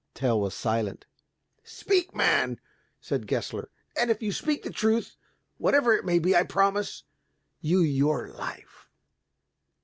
Tell was silent. "Speak, man," said Gessler, "and if you speak the truth, whatever it may be, I promise you your life."